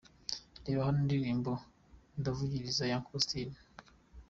Reba hano indirimbo Ndavugiriza ya Uncle Austin :.